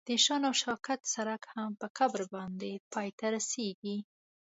د شان او شوکت سړک هم په قبر باندې پای ته رسیږي.